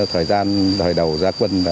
thời gian thời đầu gia quân